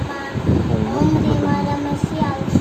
Уңны-сулны белми.